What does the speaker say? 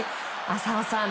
浅尾さん